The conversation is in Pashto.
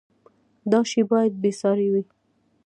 دا شی باید بې ساری وي.